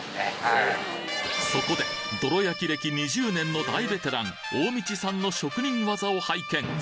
そこでどろ焼歴２０年の大ベテラン大道さんの職人技を拝見